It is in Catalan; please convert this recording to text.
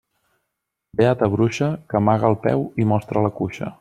Beata bruixa, que amaga el peu i mostra la cuixa.